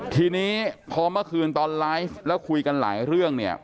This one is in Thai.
ทีนี้พอเมื่อคืนตอนไลฟ์แล้วคุยกันหลายเรื่องเนี่ย